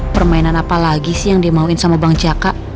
permainan apalagi sih yang dimauin sama bang jaka